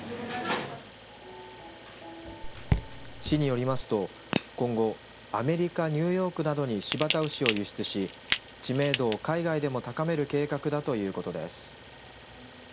市によりますと今後、アメリカニューヨークなどに新発田牛を輸出し知名度を海外でも高める計画だということです。